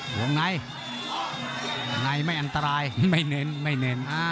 วงในในไม่อันตรายไม่เน้นไม่เน้น